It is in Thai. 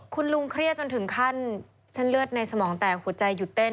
คุณลุงเครียดจนถึงขั้นเส้นเลือดในสมองแตกหัวใจหยุดเต้น